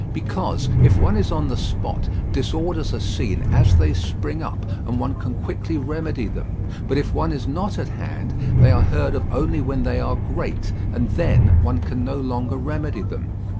Because, if one is on the spot, disorders are seen as they spring up, and one can quickly remedy them; but if one is not at hand, they are heard of only when they are great, and then one can no longer remedy them.